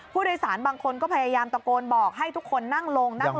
ผู้โดยสารบางคนก็พยายามตะโกนบอกให้ทุกคนนั่งลงนั่งลง